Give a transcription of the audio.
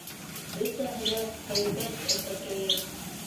— Бөтәһе лә һәйбәт әсәкәйем.